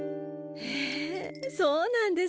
へえそうなんですね！